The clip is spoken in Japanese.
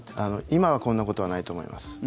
今はこんなことはないと思います。